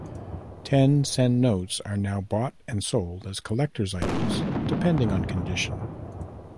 Ten sen notes are now bought and sold as collectors items depending on condition.